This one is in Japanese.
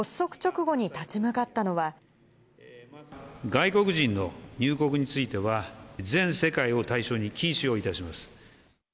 外国人の入国については、全世界を対象に禁止をいたします。